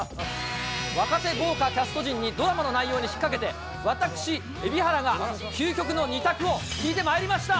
若手豪華キャスト陣にドラマの内容に引っ掛けて、私、蛯原が究極の２択を聞いてまいりました。